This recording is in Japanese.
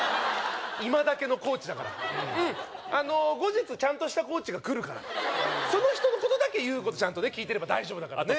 今だけのコーチだからうんあの後日ちゃんとしたコーチが来るからその人のことだけ言うことちゃんとね聞いてれば大丈夫だからねえ